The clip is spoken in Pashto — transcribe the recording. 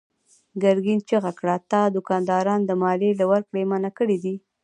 ګرګين چيغه کړه: تا دوکانداران د ماليې له ورکړې منع کړي دي.